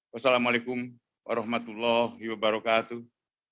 wassalamu'alaikum warahmatullahi wabarakatuh